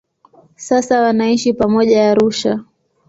Sasa wanaishi pamoja Arusha.